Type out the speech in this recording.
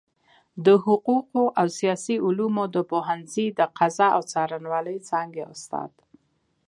د حقوقو او سياسي علومو د پوهنځۍ د قضاء او څارنوالۍ څانګي استاد